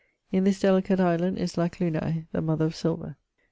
In this delicate island is lac lunae (the mother of silver).